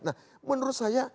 nah menurut saya